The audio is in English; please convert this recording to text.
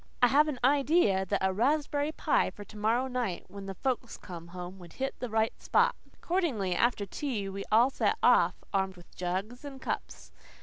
I have an idea that a raspberry pie for to morrow night, when the folks come home, would hit the right spot." Accordingly, after tea we all set off, armed with jugs and cups.